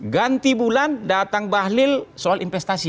ganti bulan datang bahlil soal investasi